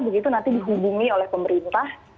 begitu nanti dihubungi oleh pemerintah